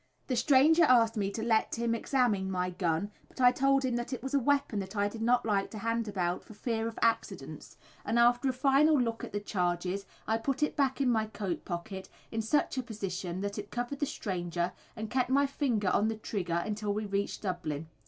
The stranger asked me to let him examine my "gun," but I told him that it was a weapon that I did not like to hand about for fear of accidents, and after a final look at the charges, I put it back into my coat pocket in such a position that it covered the stranger, and kept my finger on the trigger until we reached Dublin.